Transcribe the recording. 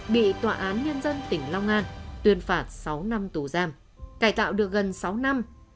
bị tòa án nhân dân tỉnh long an tuyên phạt sáu năm tù giam cải tạo được gần sáu năm